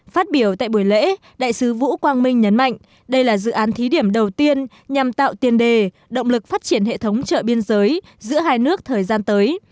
phát biểu tại buổi lễ đại sứ vũ quang minh nhấn mạnh đây là dự án thí điểm đầu tiên nhằm tạo tiền đề động lực phát triển hệ thống chợ biên giới giữa hai nước thời gian tới